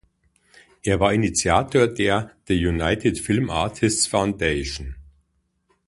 Er war Initiator der „The United Film Artists Foundation“.